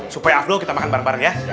supaya afdol kita makan bareng bareng ya